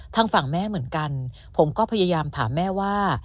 ทางฝั่งแม่เหมือนกันผมก็พยายามถามแม่ว่า